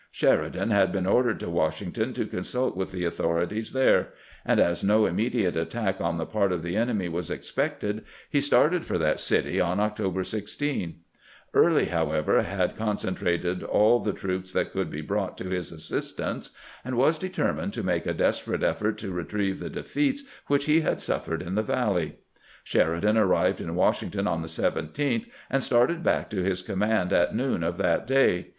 Sheridan had been ordered to Washington to consult with the authorities there ; and as no immediate attack on the part of the enemy was expected, he started for that city on October 16. Early, howevei', had concen trated all the troops that could be brought to his assis tance, and was determined to make a desperate effort to retrieve the defeats which he had suffered in the VaUey. Sheridan arrived in Washington on the 17th, and started back to his command at noon of that day.